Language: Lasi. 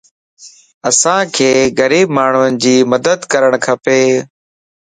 اسانک غريب ماڻھين جي مدد ڪرڻ کپ